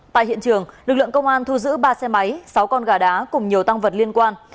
tại hiện trường lực lượng công an thu giữ ba xe máy sáu con gà đá cùng nhiều tăng vật liên quan